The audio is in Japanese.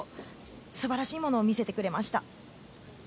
素晴らしいものを見せてくれました。